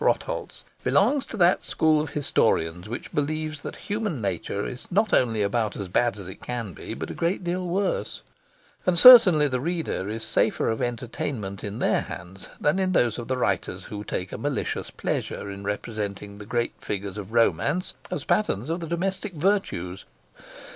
Weitbrecht Rotholz belongs to that school of historians which believes that human nature is not only about as bad as it can be, but a great deal worse; and certainly the reader is safer of entertainment in their hands than in those of the writers who take a malicious pleasure in representing the great figures of romance as patterns of the domestic virtues.